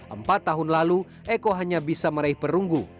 empat tahun lalu eko hanya bisa meraih perunggu